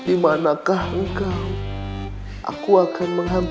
ini bukan kejam